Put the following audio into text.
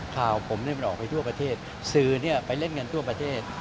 ข่าวผมมันออกไปทั่วประเทศสื่อไปเล่นกันทั่วประเทศ